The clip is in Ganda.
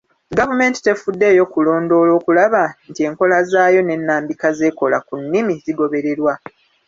Gavumenti tefuddeyo kulondoola okulaba nti enkola zaayo n'ennambika z'ekola ku nnimi zigobererwa.